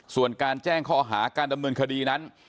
ส่วนการแจ้งข้อหาการดำเนินคดีนั้น